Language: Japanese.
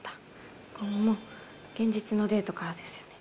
「結婚も現実のデートから」ですよね。